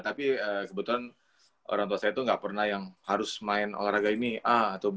tapi kebetulan orang tua saya itu nggak pernah yang harus main olahraga ini a atau b